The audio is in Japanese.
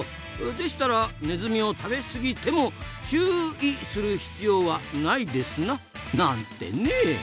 でしたらネズミを食べ過ぎても「チューい」する必要はないですな！なんてね。